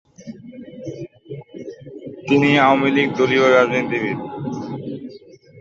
তিনি আওয়ামী লীগ দলীয় রাজনীতিবিদ।